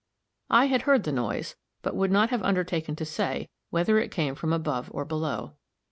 I had heard the noise, but would not have undertaken to say whether it came from above or below.